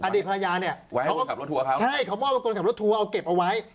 อดีตภรรยาเนี่ยเขามอบกับคนขับรถทัวร์เอาเก็บเอาไว้